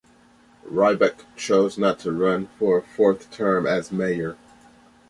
Rybak chose not to run for a fourth term as mayor.